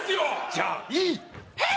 じゃあいいヘイ！